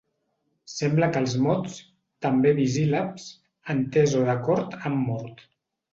Sembla que els mots, també bisíl·labs, entès o d’acord han mort.